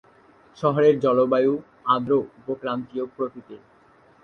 শহরের জলবায়ু আর্দ্র উপক্রান্তীয় প্রকৃতির।